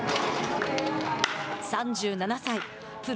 ３７歳プロ